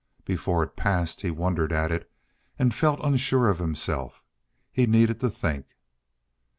Before it passed he wondered at it and felt unsure of himself. He needed to think.